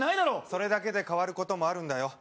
それだけで変わることもあるんだよ